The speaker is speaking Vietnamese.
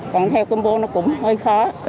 còn theo combo nó cũng hơi khó